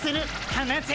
はなせ。